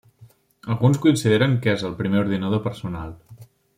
Alguns consideren que és el primer ordinador personal.